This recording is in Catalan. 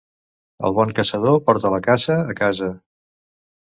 El bon caçador porta la caça a casa.